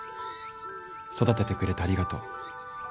育ててくれてありがとう。